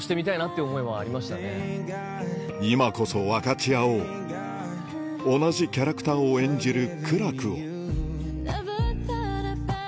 今こそ分かち合おう同じキャラクターを演じる